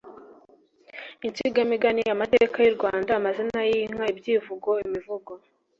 insigamigani, amateka y'u Rwanda, amazina y'inka, ibyivugo, imivug